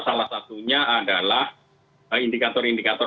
salah satunya adalah indikator indikator